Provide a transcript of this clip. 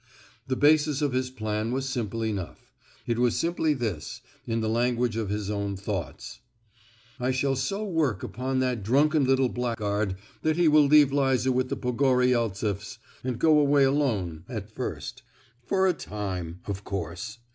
The basis of his plan was simple enough; it was simply this, in the language of his own thoughts: "I shall so work upon that drunken little blackguard that he will leave Liza with the Pogoryeltseffs, and go away alone—at first, 'for a time,' of course!